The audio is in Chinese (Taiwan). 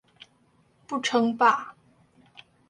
不稱霸